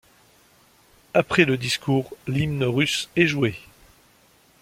Après le discours, l'hymne russe est joué.